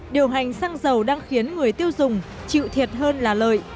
điều hành xăng dầu đang khiến người tiêu dùng chịu thiệt hơn là lợi